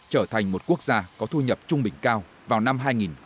trở thành một quốc gia có thu nhập trung bình cao vào năm hai nghìn ba mươi